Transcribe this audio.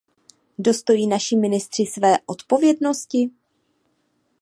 Dostojí naši ministři své odpovědnosti?